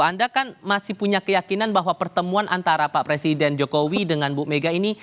anda kan masih punya keyakinan bahwa pertemuan antara pak presiden jokowi dengan bu mega ini